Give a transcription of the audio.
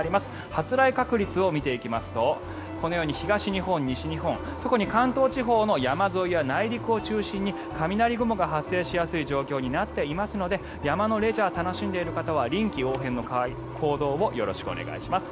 発雷確率を見ていきますとこのように東日本、西日本特に関東地方の山沿いや内陸を中心に雷雲が発生しやすい状況になっていますので山のレジャーを楽しんでいる方は臨機応変の行動をよろしくお願いします。